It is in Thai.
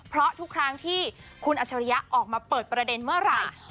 เพราะทุกครั้งที่คุณอัชริยะออกมาเปิดประเด็นเมื่อไหร่